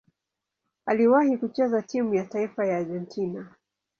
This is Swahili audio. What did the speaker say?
Aliwahi kucheza timu ya taifa ya Argentina.